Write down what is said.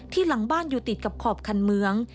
หลังบ้านอยู่ติดกับขอบคันเมือง